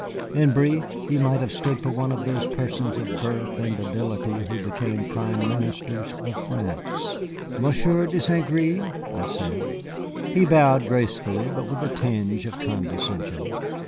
In brief, he might have stood for one of those persons of birth and ability who become prime ministers of France. "Monsieur de St. Gré?" I said. He bowed gracefully, but with a tinge of condescension.